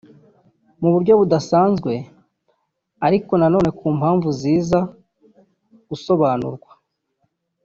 Mu buryo budasanzwe ariko nanone ku mpamvu ziza gusobanurwa